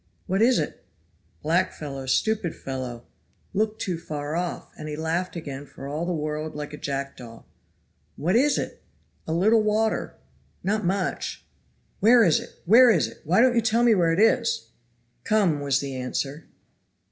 "What is it?" "Black fellow stupid fellow look too far off," and he laughed again for all the world like a jackdaw. "What is it?" "A little water; not much." "Where is it? Where is it? Why don't you tell me where it is?" "Come," was the answer.